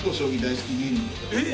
えっ！